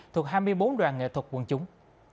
thuộc hai mươi bốn đoàn nghệ thuật quần chúng